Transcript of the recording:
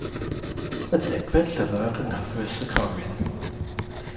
Y degfed llyfr yng Nghyfres y Corryn.